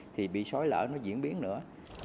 thì bị xói lở nó diễn biến nữa